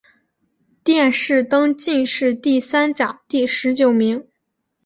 殿试登进士第三甲第十九名。